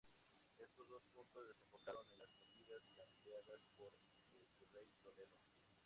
Estos dos puntos desembocaron en las medidas planteadas por el Virrey Toledo.